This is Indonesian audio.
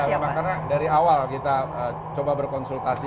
ada karena dari awal kita coba berkonsultasi